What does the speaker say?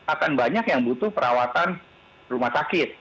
akan banyak yang butuh perawatan rumah sakit